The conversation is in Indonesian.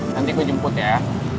nanti gue jemput ya